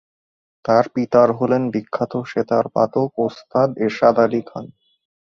তার পিতার হলেন বিখ্যাত সেতার বাদক ওস্তাদ এরশাদ আলী খান।